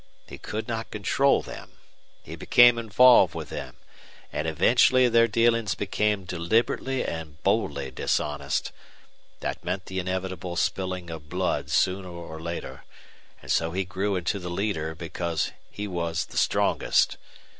He could not control them. He became involved with them. And eventually their dealings became deliberately and boldly dishonest. That meant the inevitable spilling of blood sooner or later, and so he grew into the leader because he was the strongest.